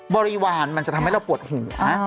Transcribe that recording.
บริวารมันจะทำให้เราปวดหัว